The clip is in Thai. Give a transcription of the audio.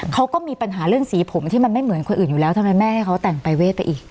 เขาก็มีปัญหาเรื่องสีผมที่มันไม่เหมือนคนอื่นอยู่แล้วทำไมแม่ให้เขาแต่งปรายเวทไปอีก